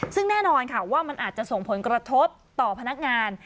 ซึ่งแน่นอนค่ะว่ามันอาจจะส่งผลกระทบต่อพนักงาน